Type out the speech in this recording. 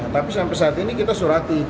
tapi sampai saat ini kita surati